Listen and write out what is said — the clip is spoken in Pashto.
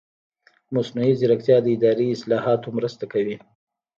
مصنوعي ځیرکتیا د اداري اصلاحاتو مرسته کوي.